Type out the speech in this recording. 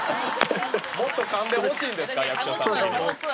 もっとかんでほしいんですか、役所さん的には。